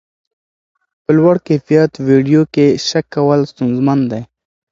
په لوړ کیفیت ویډیو کې شک کول ستونزمن دي.